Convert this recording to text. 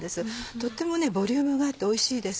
とってもボリュームがあっておいしいです。